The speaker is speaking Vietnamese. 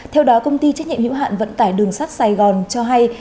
theo đó công ty trách nhiệm hữu hạn vận tải đường sắt sài gòn cho hay